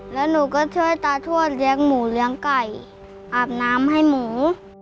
แล้วหนูก็ช่วยตาทวดเลี้ยงหมูเลี้ยงไก่อาบน้ำให้หมู